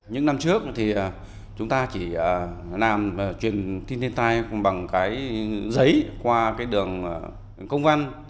những năm trước thì chúng ta chỉ làm chuyển thiên tai bằng cái giấy qua cái đường công văn